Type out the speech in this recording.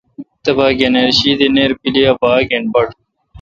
تبا گنیر شی دی نییرپیلی ا باگ اے°بٹ۔